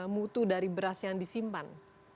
mutu dari beras yang disimpan